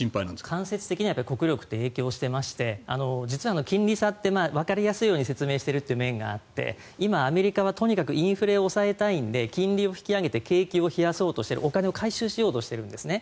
間接的には国力って影響していまして実は、金利差ってわかりやすいように説明している面があって今、アメリカはとにかくインフレを抑えたいので金利を引き上げて景気を冷やそうとしているお金を回収しようとしてるんですね。